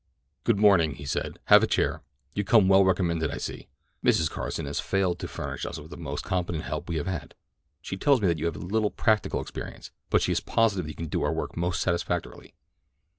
"Good morning," he said. "Have a chair. You come well recommended, I see. Mrs. Carson has never failed to furnish us with the most competent help that we have had. She tells me that you have had little practical experience; but she is positive that you can do our work most satisfactorily."